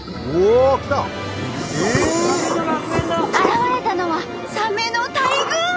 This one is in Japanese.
現れたのはサメの大群！